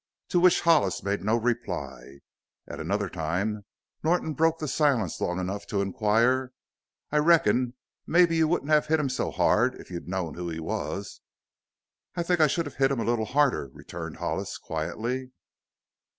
To which Hollis made no reply. At another time Norton broke the silence long enough to inquire: "I reckon mebbe you wouldn't have hit him so hard if you'd knowed who he was?" "I think I should have hit a little harder," returned Hollis quietly.